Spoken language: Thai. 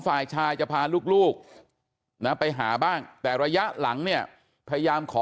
ฝ่ายชายจะพาลูกนะไปหาบ้างแต่ระยะหลังเนี่ยพยายามขอ